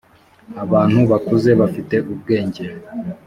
abantu bakuze bafite ubwenge